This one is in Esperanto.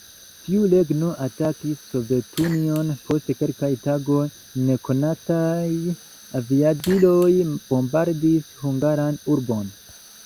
Tiu regno atakis Sovetunion, post kelkaj tagoj nekonataj aviadiloj bombardis hungaran urbon.